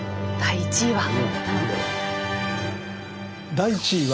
第１位は？